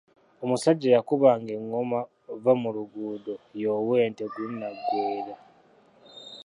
Omusajja eyakubanga engoma Vvamuluguudo ye ow’ente Gunaggweera.